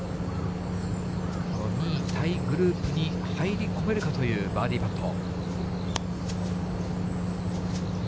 この２位タイグループに入り込めるかというバーディーパット。